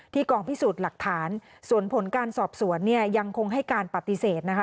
กองพิสูจน์หลักฐานส่วนผลการสอบสวนเนี่ยยังคงให้การปฏิเสธนะคะ